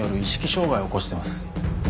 障害を起こしてます。